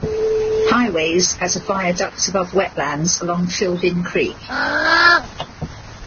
Highways as a viaduct above wetlands along Filbin Creek.